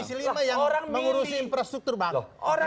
saya di komisi lima yang mengurusi infrastruktur bang